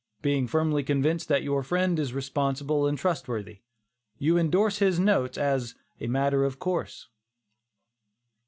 Being firmly convinced that your friend is responsible and trustworthy, you indorse his notes as "a matter of course."